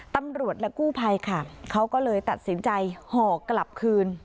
ตำรวจและกู้ภัยค่ะเขาก็เลยตัดสินใจห่อกลับคืน